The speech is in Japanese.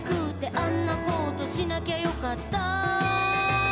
「あんなことしなきゃよかったな」